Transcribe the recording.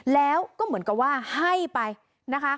แล้วก็เหมือนกับว่าให้ไปนะคะ